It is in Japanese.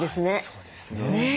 そうですね。